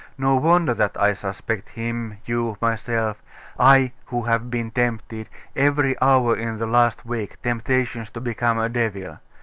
No wonder that I suspect him, you, myself I, who have been tempted, every hour in the last week, temptations to become a devil.